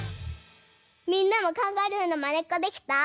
みんなもカンガルーのまねっこできた？